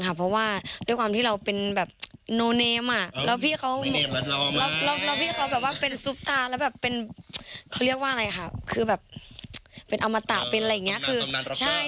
เป็นเขาเรียกว่าอะไรค่ะคือแบบเป็นเป็นอะไรอย่างเงี้ยคือใช่